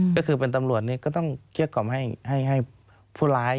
ก็คือเป็นตำรวจเนี่ยก็ต้องเคียกกรรมให้ผู้ร้าย